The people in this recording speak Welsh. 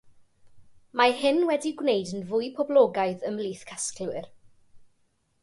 Mae hyn wedi'u gwneud yn fwy poblogaidd ymhlith casglwyr.